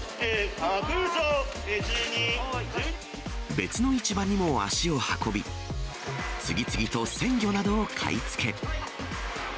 別の市場にも足を運び、次々と鮮魚などを買いつけ。